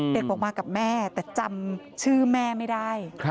เด็กบอกมากับแม่แต่จำชื่อแม่ไม่ได้